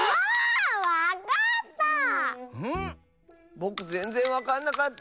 ぼくぜんぜんわかんなかった！